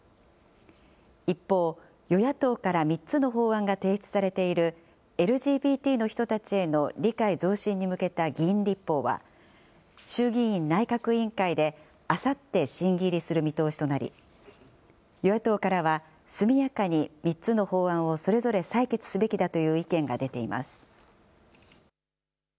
一方、与野党から３つの法案が提出されているＬＧＢＴの人たちへの理解増進に向けた議員立法は、衆議院内閣委員会で、あさって審議入りする見通しとなり、与野党からは速やかに３つの法案をそれぞれ採決すべきだという意見が出ています。